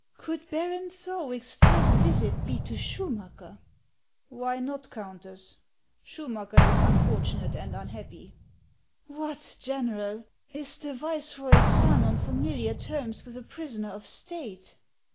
"Could Baron Thorwick's first visit be to Schumacker!" " Why not, Countess ? Schumacker is unfortunate and unhappy." " What, General ! Is the viceroy's son on familiar terms with a prisoner of state